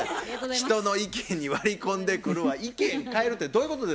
人の意見に割り込んでくるわ意見変えるってどういうことですの？